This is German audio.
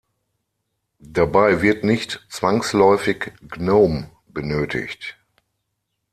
Dabei wird nicht zwangsläufig Gnome benötigt.